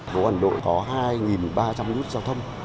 thành phố hà nội có hai ba trăm linh nút giao thông